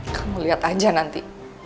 aku akan bikin hidup kamu jadi sengsara